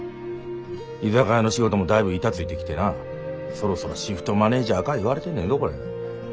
居酒屋の仕事もだいぶ板ついてきてなそろそろシフトマネージャーか言われてんねんぞこれ。